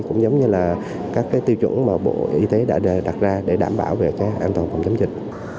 cũng giống như là các tiêu chuẩn mà bộ y tế đã đặt ra để đảm bảo về an toàn phòng chống dịch